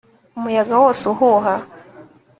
Umuyaga wose uhuha